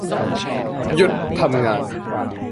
หยุดทำงาน